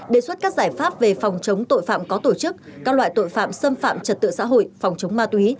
đề xuất các giải pháp về phòng chống tội phạm có tổ chức các loại tội phạm xâm phạm trật tự xã hội phòng chống ma túy